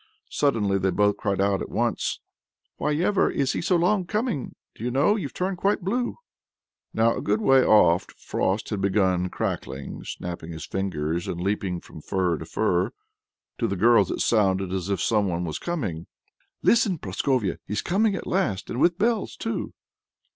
Suddenly they both cried out at once: "Whyever is he so long coming. Do you know, you've turned quite blue!" Now, a good way off, Frost had begun cracking, snapping his fingers, and leaping from fir to fir. To the girls it sounded as if some one was coming. "Listen, Prascovia! He's coming at last, and with bells, too!"